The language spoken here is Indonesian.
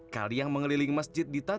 kalian mengeliling masjid ditempatkan